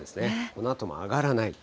このあとも上がらない。